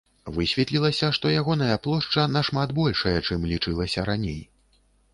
Высветлілася, што ягоная плошча нашмат большая, чым лічылася раней.